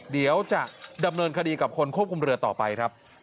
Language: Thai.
เดี๋ยวจะดำเนินคดีกับคนควบคุมเรือต่อไปครับ